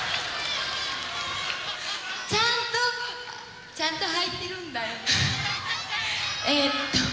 ちゃんと、ちゃんとはいてるんだよ。